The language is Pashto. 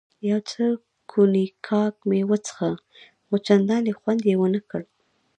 یو څه کونیګاک مې وڅېښه، خو چندانې خوند یې ونه کړ.